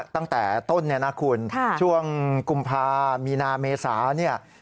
ตั้งแต่ต้นเนี่ยนะคุณช่วงกุมภามีนาเมษาเนี่ย